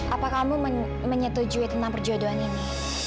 apa kamu menyetujui tentang perjodohan ini